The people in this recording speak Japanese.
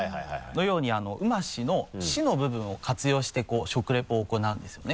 のように「うまし」の「し」の部分を活用して食リポを行うんですよね。